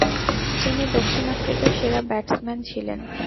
তিনি দক্ষিণ আফ্রিকার সেরা ব্যাটসম্যান ছিলেন।